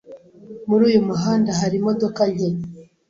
Muri uyu muhanda hari imodoka nke